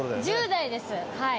１０代ですはい。